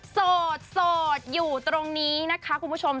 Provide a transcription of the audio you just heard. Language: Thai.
โสดอยู่ตรงนี้นะคะคุณผู้ชม